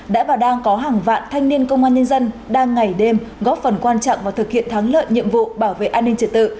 đã và đang có hàng vạn thanh niên công an nhân dân đang ngày đêm góp phần quan trọng vào thực hiện thắng lợi nhiệm vụ bảo vệ an ninh trật tự